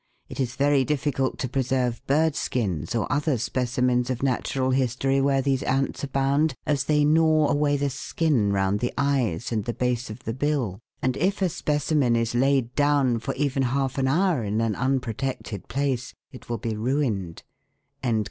It is very difficult to preserve bird skins or other specimens of natural history where these ants abound, as they gnaw away the skin round the eyes and the base of the bill j and if a specimen is laid down for even half an hour in an unprotected place it will be ruined."